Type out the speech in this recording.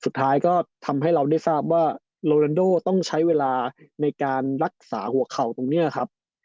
สุดท้ายก็ทำให้เราได้ทราบว่าโลลันโดต้องใช้เวลาในการรักษาหัวเข่าตรงนี้ครับ